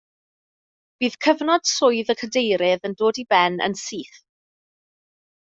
Bydd cyfnod swydd y cadeirydd yn dod i ben yn syth